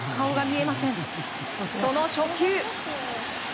その初球。